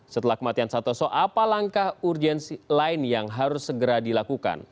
setelah kematian santoso apa langkah urgensi lain yang harus segera dilakukan